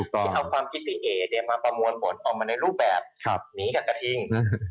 ที่เอาความคิดพี่เอ๋มาประมวลผลออกมาในรูปแบบนี้กับกระทิง